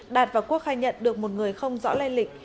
đạt và quốc khai nhận được một người không rõ lây lịch